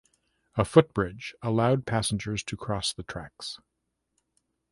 A footbridge allowed passengers to cross the tracks.